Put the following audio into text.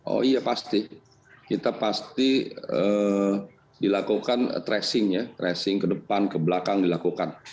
oh iya pasti kita pasti dilakukan tracing ya tracing ke depan ke belakang dilakukan